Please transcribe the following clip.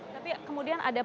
tapi kemudian ada persidangan